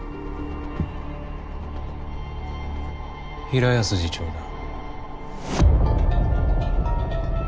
平安次長だ。